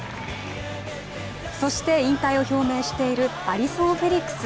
そして引退を表明しているアリソン・フェリックス。